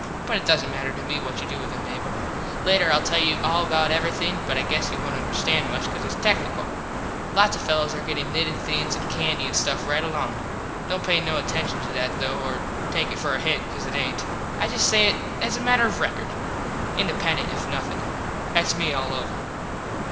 But it doesnt matter to me what you do with them, Mable. Later Ill tell you all about everything but I guess you wont understand much cause its tecknickle. Lots of the fellos are gettin nitted things and candy and stuff right along. Dont pay no attenshun to that, though, or take it for a hint cause it aint. I just say it as a matter of rekord. Independent if nothin. Thats me all over.